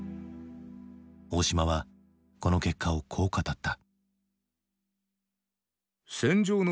大島はこの結果をこう語った。